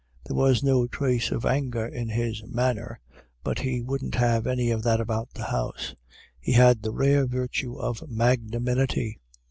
There was no trace of anger in his manner, but he wouldn't have any of that about the house. He had the rare virtue of magnanimity.